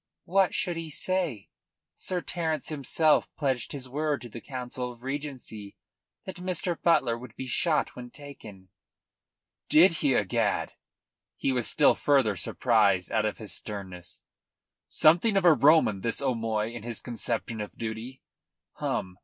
"What should he say? Sir Terence himself pledged his word to the Council of Regency that Mr. Butler would be shot when taken." "Did he, egad!" He was still further surprised out of his sternness. "Something of a Roman this O'Moy in his conception of duty! Hum!